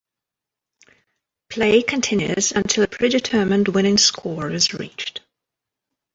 Play continues until a predetermined winning score is reached.